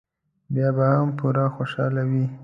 بیا به هم پوره خوشاله وي.